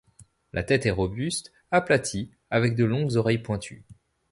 La tête est robuste, aplatie avec de longues oreilles pointues.